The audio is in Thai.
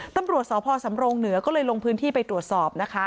ตำรวจสพสำรงเหนือก็เลยลงพื้นที่ไปตรวจสอบนะคะ